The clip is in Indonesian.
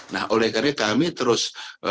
nah oleh karena kami terus